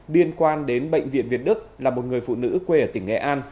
liên quan đến bệnh viện việt đức là một người phụ nữ quê ở tỉnh nghệ an